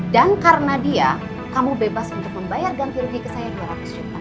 dan karena dia kamu bebas untuk membayar ganti rugi ke saya dua ratus juta